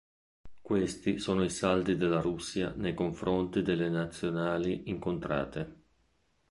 Questi sono i saldi della Russia nei confronti delle Nazionali incontrate.